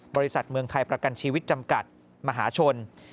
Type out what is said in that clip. บริษัทเมืองไทยประกันชีวิตจำกัดมหาชน